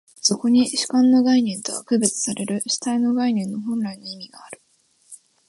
そこに主観の概念とは区別される主体の概念の本来の意味がある。